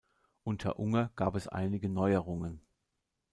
Unter Unger gab es einige Neuerungen.